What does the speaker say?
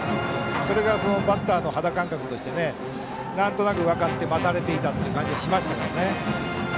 それがバッターの肌感覚としてなんとなく分かって待たれていたという感じがしましたから。